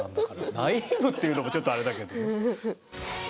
ナイーブっていうのもちょっとあれだけどね。